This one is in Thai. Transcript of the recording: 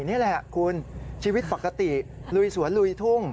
นี่แหละคุณชีวิตปกติลุยสวนลุยทุ่ง